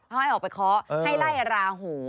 ให้ออกไปเคาะให้ไล่ราหู